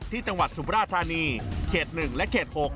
จังหวัดสุมราชธานีเขต๑และเขต๖